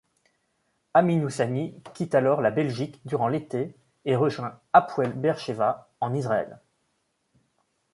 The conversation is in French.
Aminu Sani quitte alors la Belgique durant l'été et rejoint Hapoël Beer-Sheva, en Israël.